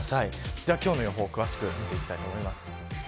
では今日の予報を詳しく見ていきたいと思います。